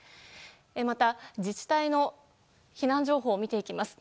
また、自治体の避難情報を見ていきます。